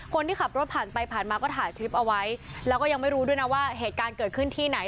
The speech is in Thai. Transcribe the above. คนที่ขับรถผ่านไปผ่านมาก็ถ่ายคลิปเอาไว้แล้วก็ยังไม่รู้ด้วยนะว่าเหตุการณ์เกิดขึ้นที่ไหน